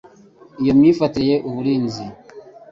Iyo myifatire yamubereye uburinzi.